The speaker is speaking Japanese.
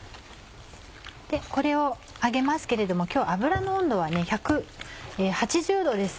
これを揚げますけれども今日油の温度はね１８０℃です。